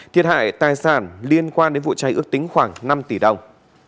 thiệt hại tài sản liên quan đến vụ cháy ước tính khoảng năm tỷ đồng